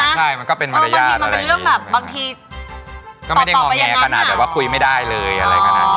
บางทีก็ต้องสวัสดีกลับนะฮะบางทีมันเป็นเรื่องแบบบางทีประปอบไปอย่างนั้นหรออ๋อ